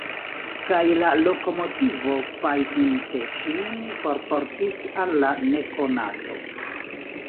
Kaj la lokomotivo fajfinte ŝin forportis al la nekonato.